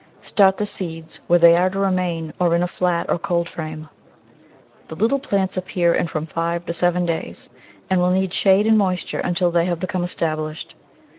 Start the seeds where they are to remain, or in a flat or cold frame. The little plants appear in from five to seven days, and will need shade and moisture until they have become established.